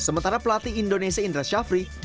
sementara pelatih indonesia indra syafri